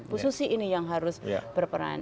bu susi ini yang harus berperan